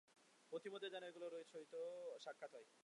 পথিমধ্যে যেন এগুলির সহিত সাক্ষাৎ হয়।